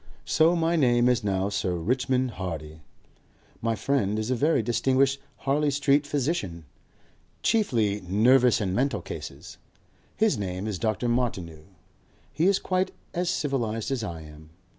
So my name is now Sir Richmond Hardy. My friend is a very distinguished Harley Street physician. Chiefly nervous and mental cases. His name is Dr. Martineau. He is quite as civilized as I am.